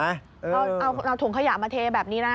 เอาถุงขยะมาเทแบบนี้นะ